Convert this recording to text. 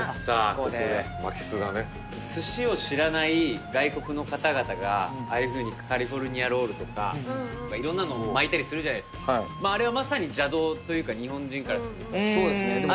ここで巻きすだね寿司を知らない外国の方々がああいうふうにカリフォルニアロールとかいろんなのを巻いたりするじゃないですかあれはまさに邪道というか日本人からするとそうですね